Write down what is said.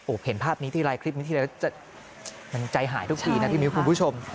เห็นภาพนี้ทีไรคลิปนี้ทีไรแล้วจะมันใจหายทุกทีนะพี่มิ้วคุณผู้ชม